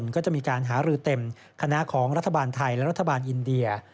ก็จะมีการหารือเต็มคณะของรัฐบาลไทยและรัฐบาลอินเดีย